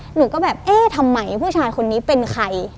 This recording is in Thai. หนูก็แบบเอ๊ะทำไมผู้ชายคนนี้เป็นใคร